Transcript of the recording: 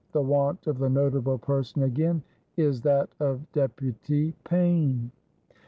— The want of the notable person, again, is that of Deputy Paine !